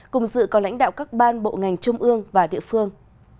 cùng dự có lãnh đạo các ban bộ ngành trung ương và địa phương